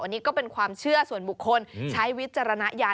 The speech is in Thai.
อันนี้ก็เป็นความเชื่อส่วนบุคคลใช้วิจารณญาณ